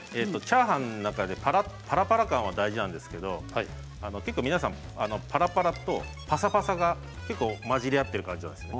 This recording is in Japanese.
チャーハンの中でパラパラ感は大事なんですけど結構皆さんパラパラとパサパサが結構混じり合ってる感じなんです。